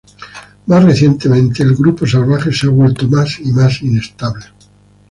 Más recientemente, el Grupo Salvaje se ha vuelto más y más inestable.